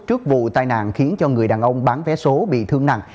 trước vụ tai nạn khiến cho người đàn ông bán vé số bị thương nặng